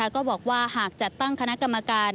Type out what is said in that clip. ก็บอกว่าหากจัดตั้งคณะกรรมการ